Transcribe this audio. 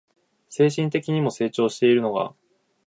精神的にも成長しているのが